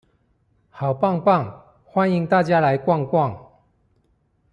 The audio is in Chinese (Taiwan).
好棒棒，歡迎大家來逛逛